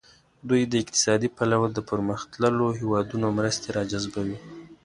دوی د اقتصادي پلوه د پرمختللو هیوادونو مرستې را جذبوي.